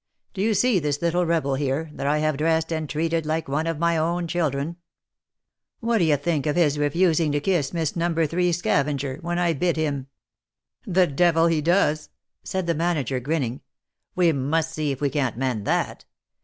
Do you see this little rebel here, that I have dressed and treated like one of my own children ? What d'ye think of his refusing to kiss Miss No. 3, scavenger, when I bid him?" " The devil he does ?" said the manager grinning; " we must see if we can't mend that.